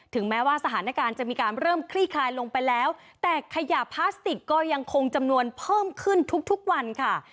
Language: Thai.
แม้ว่าสถานการณ์จะมีการเริ่มคลี่คลายลงไปแล้วแต่ขยะพลาสติกก็ยังคงจำนวนเพิ่มขึ้นทุกวันค่ะ